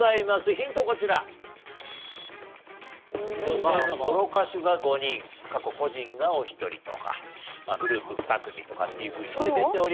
女性のソロ歌手が５人カッコ故人がお一人とかグループ２組とかっていうふうにね出ております。